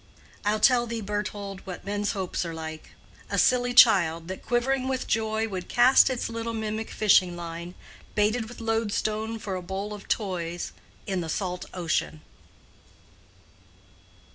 I'll tell thee, Berthold, what men's hopes are like: A silly child that, quivering with joy, Would cast its little mimic fishing line Baited with loadstone for a bowl of toys In the salt ocean.